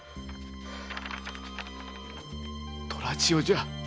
「虎千代」じゃ。